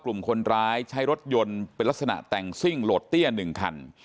กลุ่มคนร้ายใช้รถยนต์เป็นลักษณะแต่งซิ่งโหลดเตี้ย๑คัน